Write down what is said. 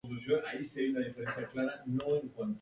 Es un líquido incoloro con un olor parecido al cloroformo.